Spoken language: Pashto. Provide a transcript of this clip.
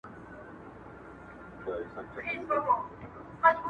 نن رستم د افسانو په سترګو وینم٫